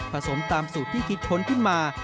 สมตามสูตรที่คิดค้นขึ้นมา